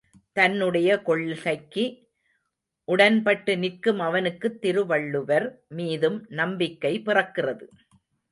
தன்னுடைய கொள்கைக்கு உடன்பட்டு நிற்கும் அவனுக்குத் திருவள்ளுவர் மீதும் நம்பிக்கை பிறக்கிறது.